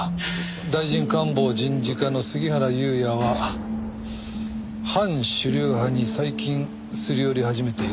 大臣官房人事課の杉原裕也は反主流派に最近すり寄り始めている。